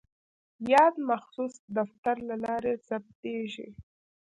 یا د مخصوص دفتر له لارې ثبتیږي.